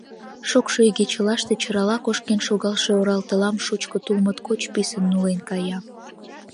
Шокшо игечылаште чырала кошкен шогалше оралтылам шучко тул моткоч писын нулен кая.